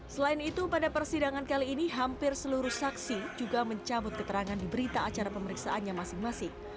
selain itu pada persidangan kali ini hampir seluruh saksi juga mencabut keterangan di berita acara pemeriksaannya masing masing